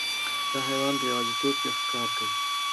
دا حیوان په یوازیتوب کې ښکار کوي.